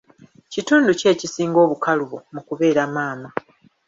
Kitundu ki ekisinga obukalubo mu kubeeramaama?